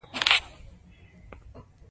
په بډو يا رشوت کې به هم ورکول کېدې.